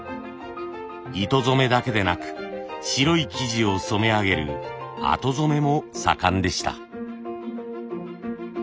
糸染めだけでなく白い生地を染め上げる後染めも盛んでした。